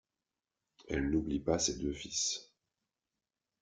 Elle n’oublie pas ses deux fils.